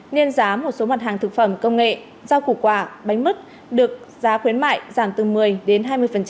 nên giá một số mặt hàng thực phẩm công nghệ rau củ quả bánh mứt được giá khuyến mại giảm từ một mươi đến hai mươi